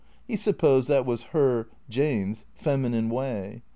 He supposed that was her (Jane's) feminine way.